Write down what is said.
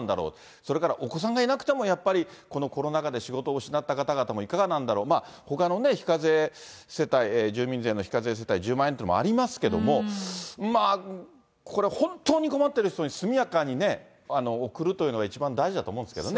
それから、お子さんがいなくてもやっぱり、このコロナ禍で仕事を失った方々もいかがなんだろう、ほかのね、非課税世帯、住民税の非課税世帯、１０万円っていうのもありますけども、これ、本当に困っている人に速やかにね、送るというのが一番大事だと思うんですけどね。